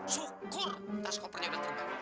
syukur tas kopernya udah terbang